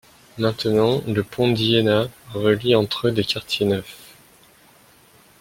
Maintenant le pont d'Iéna relie entre eux des quartiers neufs.